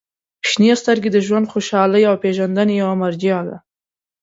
• شنې سترګې د ژوند خوشحالۍ او پېژندنې یوه مرجع ده.